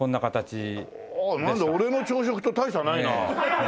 なんだ俺の朝食と大差ないな。